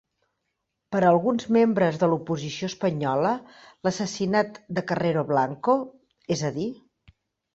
Per a alguns membres de l'oposició espanyola, l'assassinat de Carrero Blanco, és a dir,